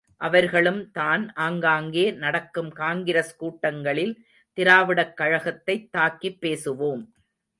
அவர்களும்தான் ஆங்காங்கே நடக்கும் காங்கிரஸ் கூட்டங்களில் திராவிடக் கழகத்தைத் தாக்கிப் பேசுவோம்.